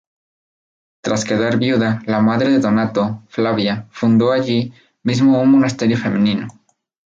Tras quedar viuda, la madre de Donato, Flavia, fundó allí mismo un monasterio femenino.